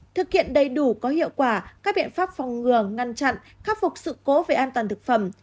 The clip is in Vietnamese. thực hiện đầy đủ có hiệu quả các biện pháp phòng ngừa ngăn chặn khắc phục sự cố về an toàn thực phẩm